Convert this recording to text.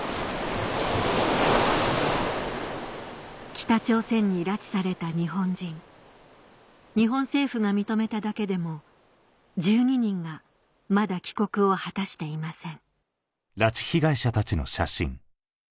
北朝鮮に拉致された日本人日本政府が認めただけでも１２人がまだ帰国を果たしていません